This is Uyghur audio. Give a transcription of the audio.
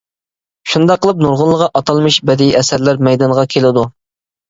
شۇنداق قىلىپ نۇرغۇنلىغان ئاتالمىش بەدىئىي ئەسەرلەر مەيدانغا كېلىدۇ.